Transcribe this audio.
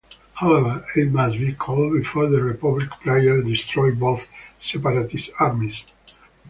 However, it must be called before the Republic players destroy both Separatist armies.